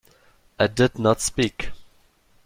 I did not speak.